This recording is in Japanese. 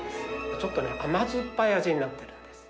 ちょっと甘酸っぱい味になってるんです。